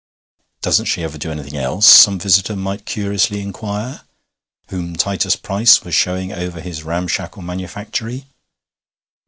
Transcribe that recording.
'Doesn't she ever do anything else?' some visitor might curiously inquire, whom Titus Price was showing over his ramshackle manufactory.